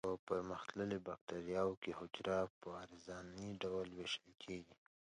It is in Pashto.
په پرمختللو بکټریاوو کې حجره په عرضاني ډول ویشل کیږي.